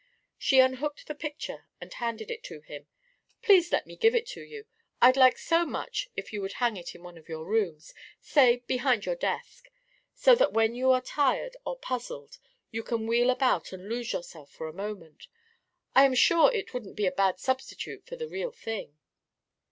She unhooked the picture and handed it to him. "Please let me give it to you. I'd like so much if you would hang it in one of your rooms, say behind your desk, so that when you are tired or puzzled you can wheel about and lose yourself for a moment. I am sure it wouldn't be a bad substitute for the real thing."